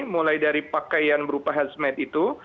mulai dari pakaian berupa hazmat itu